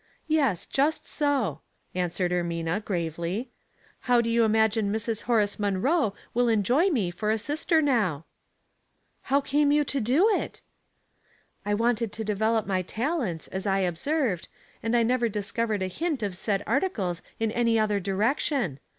" Yes, just so," answered Ermina, gravely. "How do you imagine Mrs. Horace Munroe will enjoy me for a sister now ?'*" How came you to do it ?"" I wanted to develop my talents, as I ob served, and I never discovered a hint of said articles in any other direction.